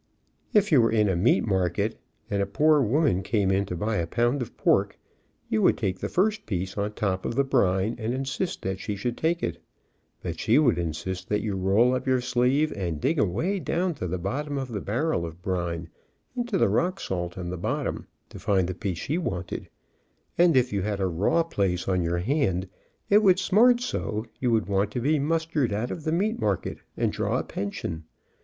If you were in a meat market and a poor woman came in to buy a pound of pork, you would take the first piece on top of the brine and insist that she should take it, but she would insist that you roll up your sleeve and dig away down to the bottom of the barrel of brine, into the rock salt on the bottom, to find the piece she wanted, and if you had a raw place on your hand it would smart so you would want to be mustered out of the meat market and draw a pension.